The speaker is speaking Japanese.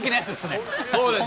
そうです。